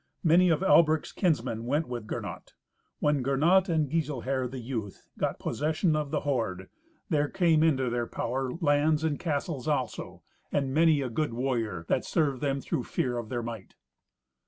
Many of Albric's kinsmen went with Gernot. When Gernot and Giselher the youth got possession of the hoard, there came into their power lands, and castles, also, and many a good warrior, that served them through fear of their might.